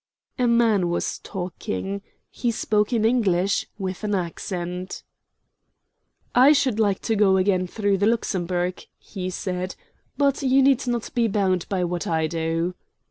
A man was talking; he spoke in English, with an accent. "I should like to go again through the Luxembourg," he said; "but you need not be bound by what I do."